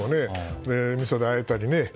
みそであえたりね。